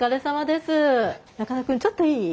中野君ちょっといい？